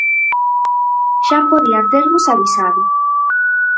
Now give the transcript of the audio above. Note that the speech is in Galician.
Xa podían tervos avisado.